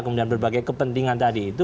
kemudian berbagai kepentingan tadi itu